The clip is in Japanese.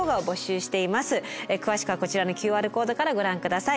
詳しくはこちらのＱＲコードからご覧下さい。